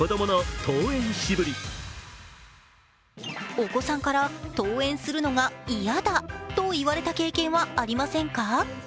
お子さんから登園するのが嫌だと言われた経験はありませんか？